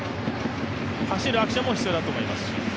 走るアクションも必要だと思いますし。